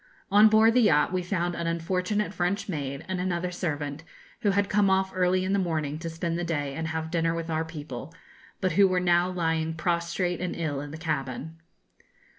On board the yacht we found an unfortunate French maid, and another servant, who had come off early in the morning to spend the day and have dinner with our people, but who were now lying prostrate and ill in the cabin.